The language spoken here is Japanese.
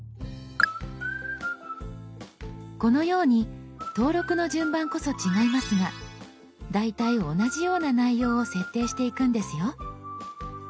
このように登録の順番こそ違いますが大体同じような内容を設定していくんですよ。